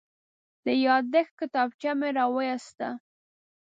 د یادښت کتابچه مې راوویسته.